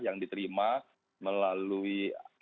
yang diterima melalui